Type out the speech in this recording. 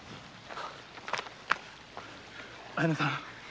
綾乃さん